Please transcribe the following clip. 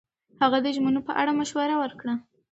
هغه د ژمنو په اړه مشوره ورکړه.